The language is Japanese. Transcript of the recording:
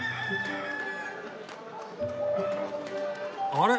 あれ？